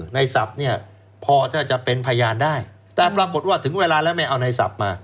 ศัพท์เนี่ยพอถ้าจะเป็นพยานได้แต่ปรากฏว่าถึงเวลาแล้วไม่เอาในศัพท์มา